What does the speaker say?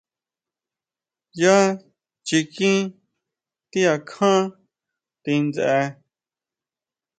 Yá chiquin ti akján ti ndsje.